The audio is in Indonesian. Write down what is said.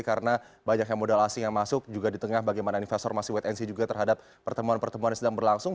karena banyaknya modal asing yang masuk juga di tengah bagaimana investor masih wet nc juga terhadap pertemuan pertemuan yang sedang berlangsung